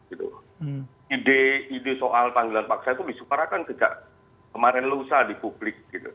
ide ide soal panggilan paksa itu disukarakan sejak kemarin lusa di publik